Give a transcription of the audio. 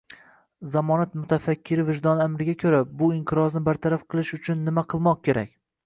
Zamona mutafakkiri vijdoni amriga ko`ra, bu inqirozni bartaraf etish uchun nima qilmoq kerak